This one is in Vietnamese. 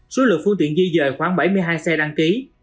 số lượng phương tiện di dời khoảng bảy mươi hai xe đăng ký